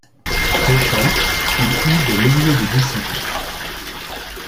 Prêchant, il eut des milliers de disciples.